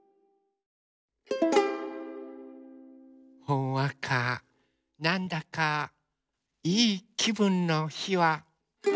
ほんわかなんだかいいきぶんのひは。